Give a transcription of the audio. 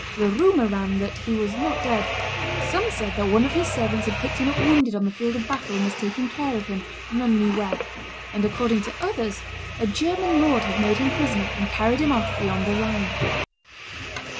The rumor ran that he was not dead; some said that one of his servants had picked him up wounded on the field of battle, and was taking care of him, none knew where; and according to others, a German lord had made him prisoner, and carried him off beyond the Rhine.